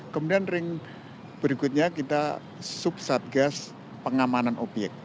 kemudian ring berikutnya kita sub satgas pengamanan obyek